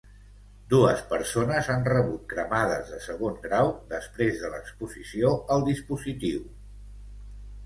Dues persones han rebut cremades de segon grau després de l'exposició al dispositiu.